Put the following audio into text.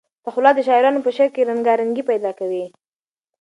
تحولات د شاعرانو په شعر کې رنګارنګي پیدا کوي.